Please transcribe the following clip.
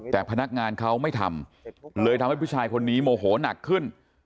แต่พนักงานเขาไม่ทำเลยทำให้ผู้ชายคนนี้โมโหนักขึ้น